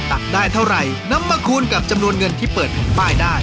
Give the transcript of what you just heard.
ตักได้เท่าไหร่นำมาคูณกับจำนวนเงินที่เปิดแผ่นป้ายได้